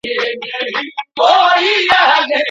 ولې کورني شرکتونه کرنیز ماشین الات له هند څخه واردوي؟